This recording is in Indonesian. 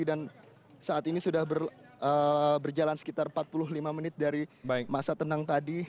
dan saat ini sudah berjalan sekitar empat puluh lima menit dari masa tenang tadi